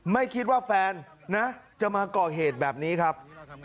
ไม่คิดว่าแฟนนะจะมาก่อเหตุแบบนี้ครับ